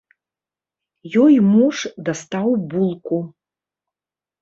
Ёй муж дастаў булку.